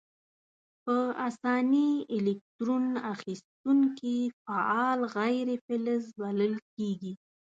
په آساني الکترون اخیستونکي فعال غیر فلز بلل کیږي.